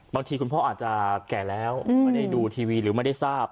บางทีคุณพ่ออาจจะแก่แล้วไม่ได้ดูทีวีหรือไม่ได้ทราบ